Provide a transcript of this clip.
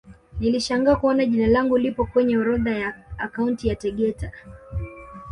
Nilishangaa kuona jina langu lipo kwenye orodha ya akaunti ya Tegeta